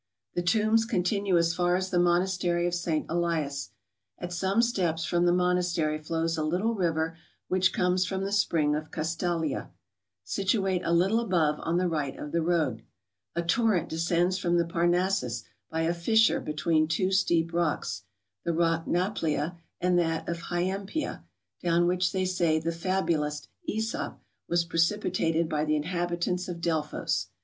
The tombs continue as far as the monastery of St. Elias. At some steps from the monastery flows a little river which comes from the spring of Castalia, situate a little above, on the right of the road. A torrent descends from the Parnassus by a fissure between two steep rocks, the rock Naplia and that of Hyampeia, down which they say the fabulist ^sop was precipitated by the inhabitants of Delphos.